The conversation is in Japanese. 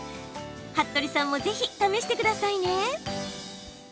服部さんもぜひ試してくださいね。